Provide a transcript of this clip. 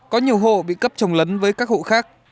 có nhiều hộ bị cấp trồng lấn với các hộ khác